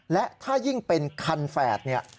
และถ้ายิ่งเป็นคันแฝด